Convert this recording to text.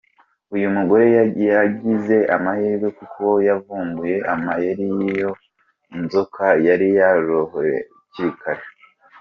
Uyu mugore yagize amahirwe kuko yavumbuye amayeri y’ iyi nzoka yari yoroye hakiri kare.